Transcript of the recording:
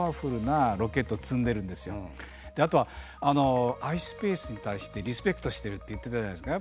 あとはｉｓｐａｃｅに対してリスペクトしてるって言ってたじゃないですか。